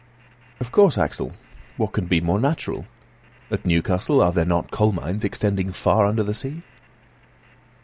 "Of course, Axel. What can be more natural? At Newcastle are there not coal mines extending far under the sea?"